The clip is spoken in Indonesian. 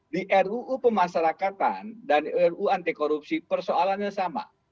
di ruu pemasarakatan dan ruu anti korupsi persoalannya sama